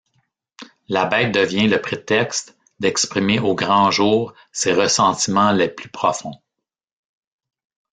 La Bête devient le prétexte d’exprimer au grand jour ses ressentiments les plus profonds.